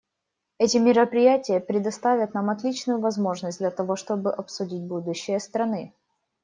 Эти мероприятия предоставят нам отличную возможность для того, чтобы обсудить будущее страны.